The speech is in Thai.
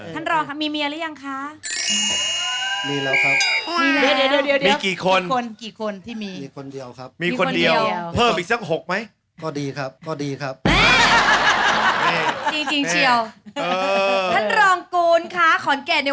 บัคกันภาษาไทยฟุตซาภาษาอังกฤษ